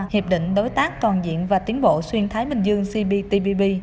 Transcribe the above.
hiệp định đối tác toàn diện và tiến bộ xuyên thái bình dương cptpp